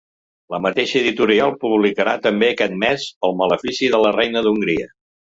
La mateixa editorial publicarà també aquest mes El malefici de la reina d’Hongria.